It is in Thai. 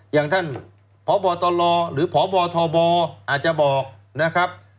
อย่างท่านพบตลหรือพบทบอาจจะบอกนะครับ